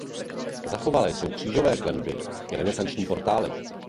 Zachované jsou křížové klenby i renesanční portály.